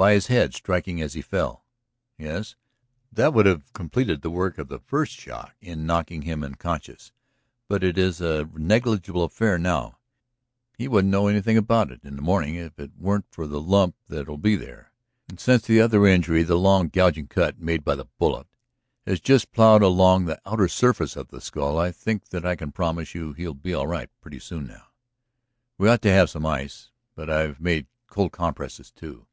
..." "By his head striking as he fell? Yes; that would have completed the work of the first shock in knocking him unconscious. But it is a negligible affair now; he wouldn't know anything about it in the morning if it weren't for the lump that'll be there. And since the other injury, the long gouging cut made by the bullet, has just plowed along the outer surface of the skull, I think that I can promise you he'll be all right pretty soon now. We ought to have some ice, but I've made cold compresses do."